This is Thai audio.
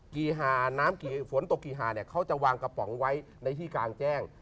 หาน้ำกี่ฝนตกกี่หาเนี่ยเขาจะวางกระป๋องไว้ในที่กลางแจ้ง